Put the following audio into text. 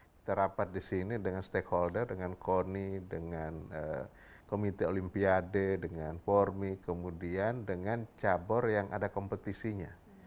kita rapat di sini dengan stakeholder dengan koni dengan komite olimpiade dengan formi kemudian dengan cabur yang ada kompetisinya